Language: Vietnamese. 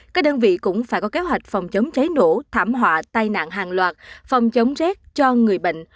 các đơn vị cũng phải có kế hoạch phòng chống cháy nổ thảm họa tai nạn hàng loạt phòng chống rét cho người bệnh